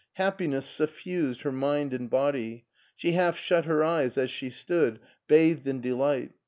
Happiness suffused her mind and body. She half shut her eyes as she stood, bathed in delight.